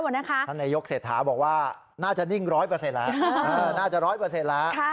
ท่านนายยกเศษฐาบอกว่าน่าจะนิ่ง๑๐๐แล้ว